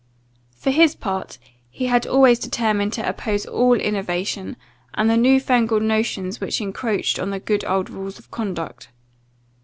For his part, he had always determined to oppose all innovation, and the newfangled notions which incroached on the good old rules of conduct.